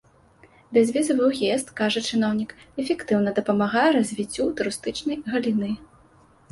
Бязвізавы ўезд, кажа чыноўнік, эфектыўна дапамагае развіццю турыстычнай галіны.